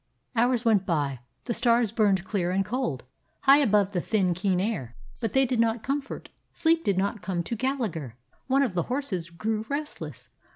Hours went by. The stars burned clear and cold, high above the thin, keen air, but they did not comfort; sleep did not come to Gallagher. One of the horses grew restless.